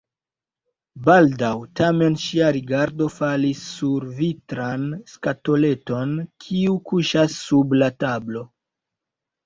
Baldaŭ tamen ŝia rigardo falis sur vitran skatoleton, kiu kuŝas sub la tablo.